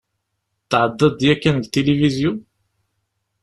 Tεeddaḍ-d yakan deg tilivizyu?